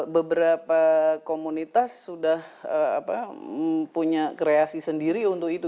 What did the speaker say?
beberapa komunitas sudah punya kreasi sendiri untuk itu